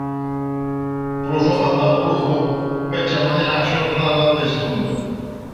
Pola súa banda, o Lugo pecha mañá a xornada de segunda.